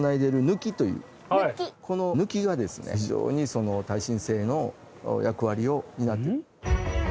この貫がですね非常に耐震性の役割を担っている。